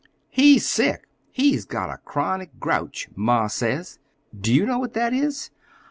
"He's sick. He's got a chronic grouch, ma says. Do you know what that is?"